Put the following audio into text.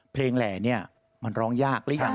เพลงแหล่นี่มันร้องยากเลย